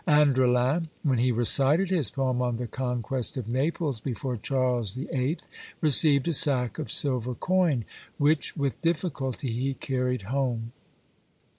Andrelin, when he recited his poem on the Conquest of Naples before Charles VIII., received a sack of silver coin, which with difficulty he carried home.